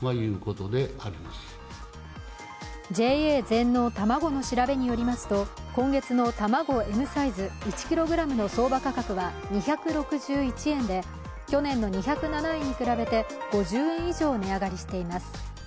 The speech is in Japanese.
ＪＡ全農たまごの調べによりますと、今月のたまごＭサイズ１ｋｇの相場価格は２６１円で去年の２０７円に比べて５０円以上、値上がりしています。